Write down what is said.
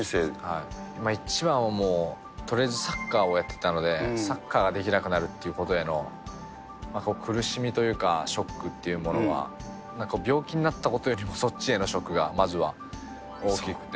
一番はもうとりあえずサッカーをやっていたので、サッカーができなくなるっていうことへの苦しみというか、ショックっていうものはなんか、病気になったことよりも、そっちへのショックがまずは大きくて。